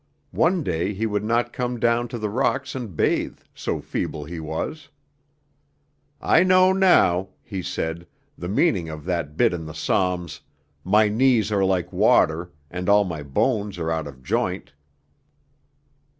One day he would not come down to the rocks and bathe, so feeble he was. 'I know now,' he said, 'the meaning of that bit in the psalms, "My knees are like water and all my bones are out of joint."'